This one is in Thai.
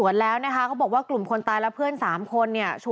นับไม่ได้เลย